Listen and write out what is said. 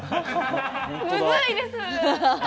むずいです！